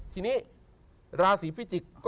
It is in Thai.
ทีนี้ราศีพิจิกษ์